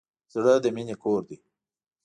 زړه د مینې کور دی.